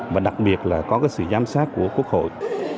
và đặc biệt là có cái sự giám sát của quốc hội